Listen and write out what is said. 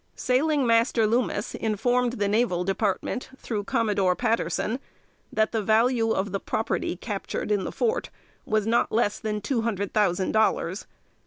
Sailing Master Loomis informed the Naval Department, through Commodore Patterson, that the value of the property captured in the fort was "not less than two hundred thousand dollars."